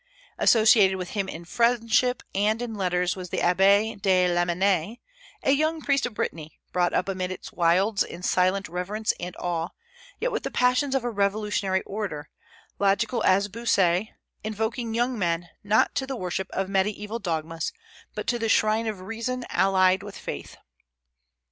Associated with him in friendship and in letters was the Abbé de Lamennais, a young priest of Brittany, brought up amid its wilds in silent reverence and awe, yet with the passions of a revolutionary orator, logical as Bossuet, invoking young men, not to the worship of mediaeval dogmas, but to the shrine of reason allied with faith.